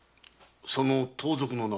その盗賊の名は？